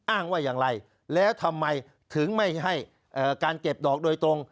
อ้างว่าอย่างไรแล้วทำไมถึงไม่ให้การเก็บดอกโดยตรง